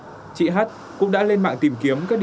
bản thân tôi thì cũng đã từng có những công việc rất là gấp